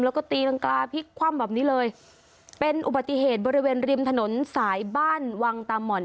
แล้วก็ตีรังกาพลิกคว่ำแบบนี้เลยเป็นอุบัติเหตุบริเวณริมถนนสายบ้านวังตาม่อน